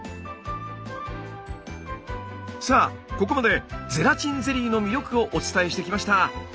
さあここまでゼラチンゼリーの魅力をお伝えしてきました。